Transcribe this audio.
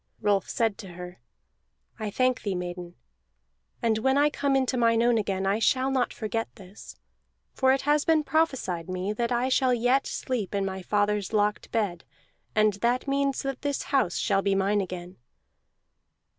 Rolf said to her: "I thank thee, maiden; and when I come into mine own again I shall not forget this. For it has been prophesied me that I shall yet sleep in my father's locked bed, and that means that this house shall be mine again."